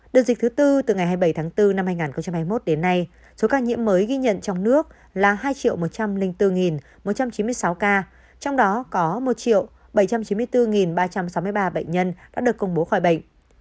đợt dịch thứ tư từ ngày hai mươi bảy tháng bốn năm hai nghìn hai mươi một đến nay số ca nhiễm mới ghi nhận trong nước là hai một trăm linh bốn một trăm chín mươi sáu ca trong đó có một bảy trăm chín mươi bốn ba trăm sáu mươi ba bệnh nhân đã được công bố khỏi bệnh